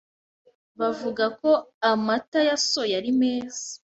bavuga ko amata ya soya ari meza